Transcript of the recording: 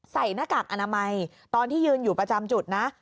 หน้ากากอนามัยตอนที่ยืนอยู่ประจำจุดนะ